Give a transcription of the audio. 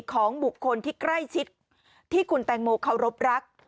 ของบุคคลที่ใกล้ชิดที่คุณแตงโมเคารพรัก